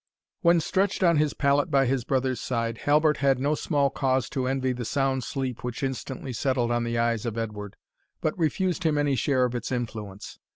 When stretched on his pallet by his brother's side, Halbert had no small cause to envy the sound sleep which instantly settled on the eyes of Edward, but refused him any share of its influence.